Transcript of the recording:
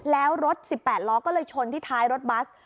แล้วรถ๑๘ล้อก็เลยชนที่ท้ายรถบัส